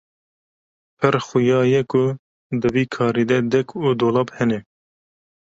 Pir xuya ye ku di vî karî de dek û dolap hene.